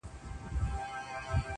په خِلقت کي مي حکمت د سبحان وینم,